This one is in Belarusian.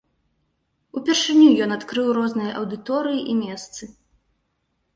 Упершыню ён адкрыў розныя аўдыторыі і месцы.